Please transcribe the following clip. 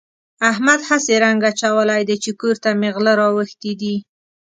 احمد هسې رنګ اچولی دی چې کور ته مې غله راوښتي دي.